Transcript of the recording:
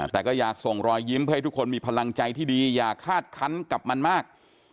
แต่ก็อยากส่งรอยยิ้มเพื่อให้ทุกคนมีพลังใจที่ดีอย่าคาดคันกับมันมาก